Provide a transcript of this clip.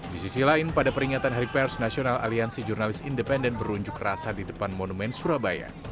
di sisi lain pada peringatan hari pers nasional aliansi jurnalis independen berunjuk rasa di depan monumen surabaya